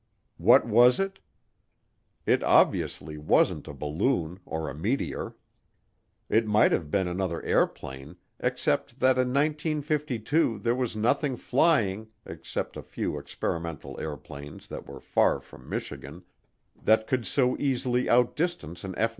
What was it? It obviously wasn't a balloon or a meteor. It might have been another airplane except that in 1952 there was nothing flying, except a few experimental airplanes that were far from Michigan, that could so easily outdistance an F 94.